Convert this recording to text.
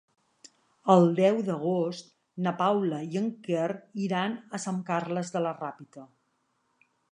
El deu d'agost na Paula i en Quer iran a Sant Carles de la Ràpita.